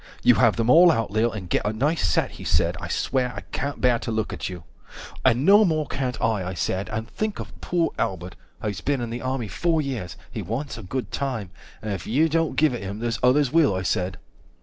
You have them all out, Lil, and get a nice set, 145 He said, I swear, I can't bear to look at you. And no more can't I, I said, and think of poor Albert, He's been in the army four years, he wants a good time, And if you don't give it him, there's others will, I said.